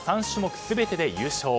３種目全てで優勝。